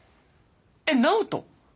えっナオト？